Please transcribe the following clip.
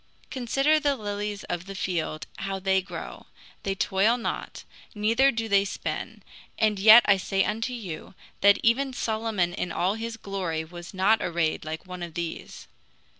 Consider the lilies of the field how they grow; they toil not, neither do they spin; and yet I say unto you, That even Solomon in all his glory was not arrayed like one of these.